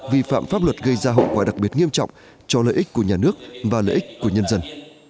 vi phạm pháp luật gây ra hậu quả đặc biệt nghiêm trọng cho lợi ích của nhà nước và lợi ích của nhân dân